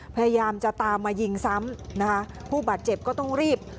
พยายามจะตามมายิงซ้ำนะคะผู้บาดเจ็บก็ต้องรีบ